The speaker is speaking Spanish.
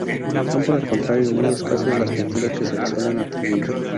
Son por el contrario muy escasas las pinturas que se le pueden atribuir.